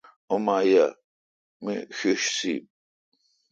اوما یہ می ݭݭ سپ۔